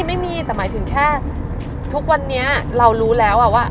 ไม่มีแต่หมายถึงแค่ทุกวันนี้เรารู้แล้วว่า